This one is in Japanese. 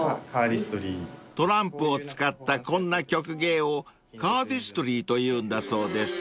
［トランプを使ったこんな曲芸をカーディストリーというんだそうです］